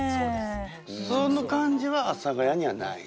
その感じは阿佐ヶ谷にはない？